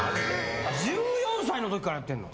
１４歳の時からやってんの？